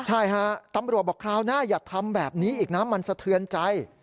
ใช่ฮะตำรวจบอกคราวหน้าอย่าทำแบบนี้อีกนะมันสะเทือนใจ